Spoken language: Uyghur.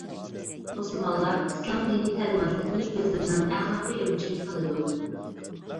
مۇسۇلمانلار ئىسلام دىنى تەلىماتلىرىنى ئۆزلىرىنىڭ ئەخلاقىي ئۆلچىمى قىلىدۇ.